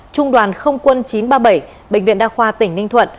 trung đoàn không quân chín trăm ba mươi bảy bệnh viện đa khoa tỉnh ninh thuận